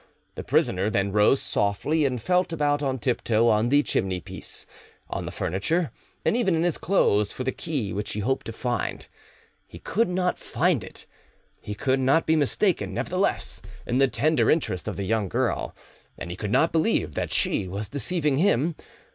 The prisoner then rose softly, and felt about on tiptoe on the chimneypiece, on the furniture, and even in his clothes, for the key which he hoped to find. He could not find it. He could not be mistaken, nevertheless, in the tender interest of the young girl, and he could not believe that she was deceiving him.